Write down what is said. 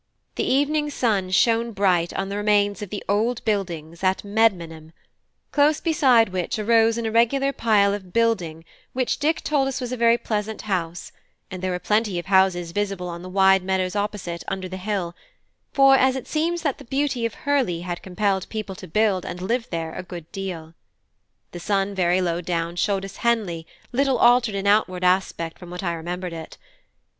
The evening sun shone bright on the remains of the old buildings at Medmenham; close beside which arose an irregular pile of building which Dick told us was a very pleasant house; and there were plenty of houses visible on the wide meadows opposite, under the hill; for, as it seems that the beauty of Hurley had compelled people to build and live there a good deal. The sun very low down showed us Henley little altered in outward aspect from what I remembered it.